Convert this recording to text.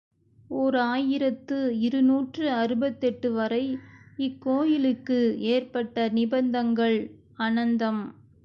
ஓர் ஆயிரத்து இருநூற்று அறுபத்தெட்டு வரை இக்கோயிலுக்கு ஏற்பட்ட நிபந்தங்கள் அனந்தம்.